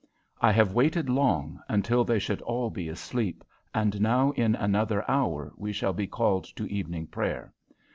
"I have waited long, until they should all be asleep, and now in another hour we shall be called to evening prayer.